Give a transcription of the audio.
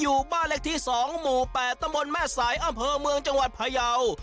อยู่บ้านเลขที่๒หมู่๘ตำบลแม่สายอำเภอเมืองจังหวัดพยาว